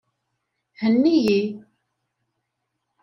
Henni-iyi!